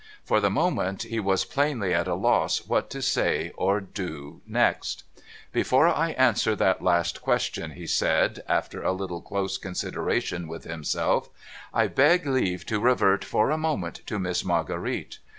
For the moment, he was plainly at a loss what to say or do next. ' Before I answer that last question,' he said, after a little close consideration with himself, ' I beg leave to revert for a moment to Miss Marguerite.